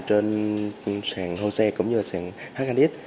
trên sàn hosea cũng như sàn hnx